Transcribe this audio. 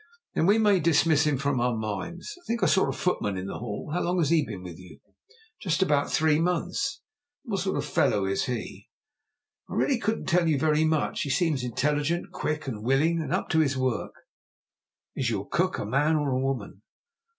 "Then we may dismiss him from our minds. I think I saw a footman in the hall. How long has he been with you?" "Just about three months." "And what sort of a fellow is he?" "I really could not tell you very much. He seems intelligent, quick and willing, and up to his work." "Is your cook a man or a woman?"